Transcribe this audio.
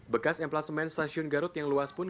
bekas emplasemen stasiun garut yang luas pun